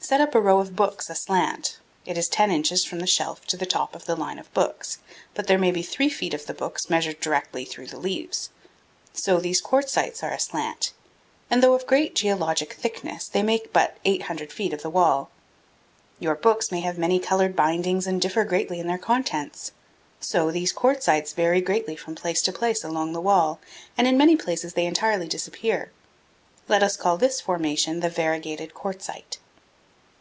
Set up a row of books aslant; it is 10 inches from the shelf to the top of the line of books, but there may be 3 feet of the books measured directly through the leaves. So these quartzites are aslant, and though of great geologic thickness, they make but 800 feet of the wall. Your books may have many colored bindings and differ greatly in their contents; so these quartzites vary greatly from place to place along the wall, and in many places they entirely disappear. Let us call this formation the variegated quartzite.